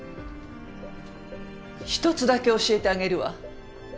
一つだけ教えてあげるわ。